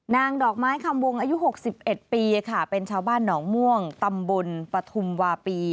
ดอกไม้คำวงอายุ๖๑ปีค่ะเป็นชาวบ้านหนองม่วงตำบลปฐุมวาปี